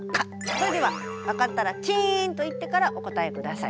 それでは分かったらチンと言ってからお答えください。